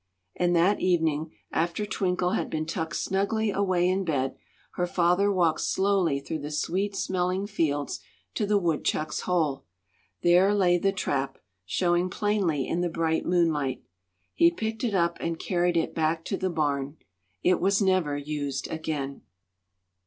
And that evening, after Twinkle had been tucked snugly away in bed, her father walked slowly through the sweet smelling fields to the woodchuck's hole; there lay the trap, showing plainly in the bright moonlight. He picked it up and carried it back to the barn. It was never used again.